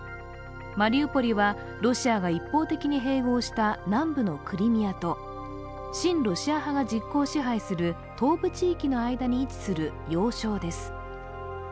マリウポリはロシアが一方的に併合した南部のクリミアと、親ロシア派が実効支配する東部地域の間に位置する要衝です。